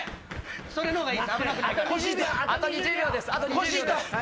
それのほうがいいです。